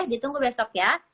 ditunggu besok ya